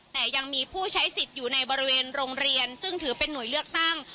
แต่ยังมีผู้ใช้สิทธิ์อยู่ในบริเวณโรงเรียนซึ่งถือเป็นหน่วยเลือกตั้ง